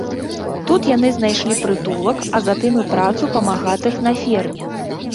Тут яны знайшлі прытулак, а затым і працу памагатых на ферме.